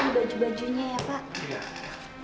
baju bajunya ya pak